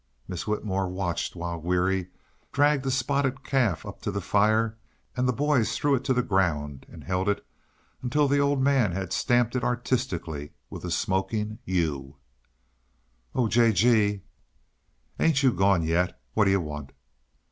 Miss Whitmore watched while Weary dragged a spotted calf up to the fire and the boys threw it to the ground and held it until the Old Man had stamped it artistically with a smoking U. "Oh, J. G.!" "Ain't you gone yet? What d'yuh want?"